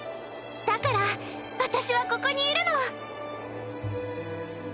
だから私はここにいるの。